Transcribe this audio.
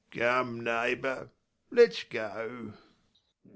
Come, neighbour, let's go.